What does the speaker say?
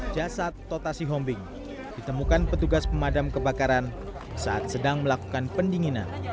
jasad totasi hombing ditemukan petugas pemadam kebakaran saat sedang melakukan pendinginan